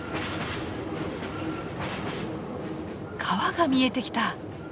川が見えてきた。